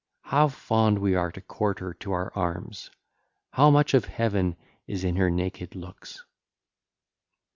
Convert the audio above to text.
How fond we are to court her to our arms! How much of heaven is in her naked looks!